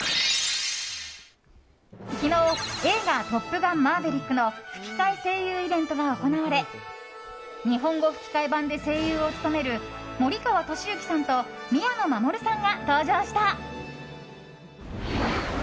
昨日、映画「トップガンマーヴェリック」の吹き替え声優イベントが行われ日本語吹き替え版で声優を務める森川智之さんと宮野真守さんが登場した。